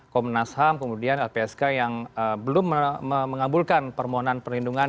komnas ham kemudian lpsk yang belum mengabulkan permohonan perlindungan